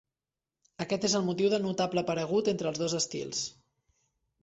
Aquest és el motiu del notable paregut entre els dos estils.